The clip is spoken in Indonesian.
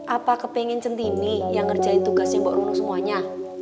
apa kepingin centini yang ngerjain tugasnya mbak rona semuanya